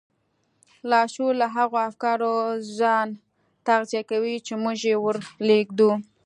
لاشعور له هغو افکارو ځان تغذيه کوي چې موږ يې ور لېږدوو.